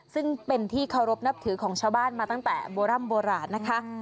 ซึ่งเป็นที่เคารพนับถือของชาวบ้านมาตั้งแต่โบร่ำโบราณนะคะ